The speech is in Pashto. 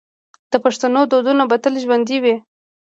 د پښتنو دودونه به تل ژوندي وي.